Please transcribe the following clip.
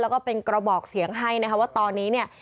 แล้วก็เป็นกระบอกเสียงให้นะคะว่าตอนนี้เนี่ย